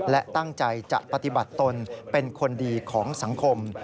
และตั้งใจจะปฏิบัติตนเป็นคนดีของสังคม